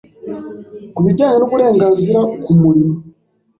Ku bijyanye n’uburenganzira ku murimo,